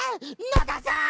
野田さーん！